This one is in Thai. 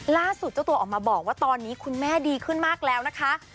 เจ้าตัวออกมาบอกว่าตอนนี้คุณแม่ดีขึ้นมากแล้วนะคะ